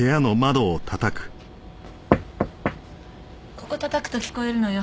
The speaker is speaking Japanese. ここ叩くと聞こえるのよ。